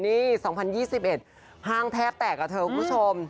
นี่๒๐๒๑ห้างแทบแตกอะเธอคุณผู้ชม